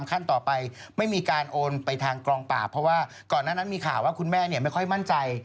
คือลูกชายจะไปบวชด้วยและแม่ก็จะไปบวชด้วย